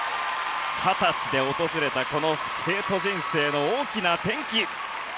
二十歳で訪れたこのスケート人生の大きな転機。